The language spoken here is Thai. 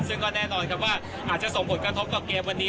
ซึ่งก็แน่นอนครับว่าอาจจะส่งผลกระทบกับเกมวันนี้